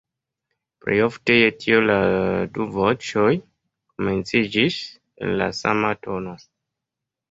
Plejofte je tio la du voĉoj komenciĝis en la sama tono.